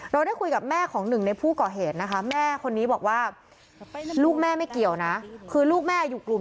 เราได้คุยกับแม่ของหนึ่งในผู้ก่อเหตุนะคะ